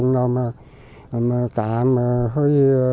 nổi lên trên mặt biển